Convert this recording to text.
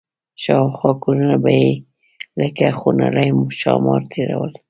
شاوخوا کورونه به یې لکه خونړي ښامار تېرول.